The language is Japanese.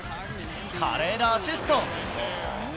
華麗なアシスト。